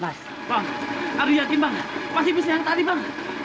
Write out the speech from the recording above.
nggak di yakin bang masih bisa yang tadi bang